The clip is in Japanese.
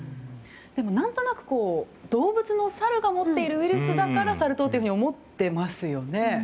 でも何となく動物のサルが持っているウイルスだからサル痘というふうに思ってますよね。